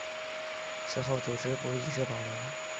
此后组织部一直保留。